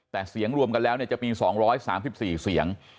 แต่เสียงรวมกันแล้วเนี่ยจะมีสองร้อยสามสิบสี่เสียง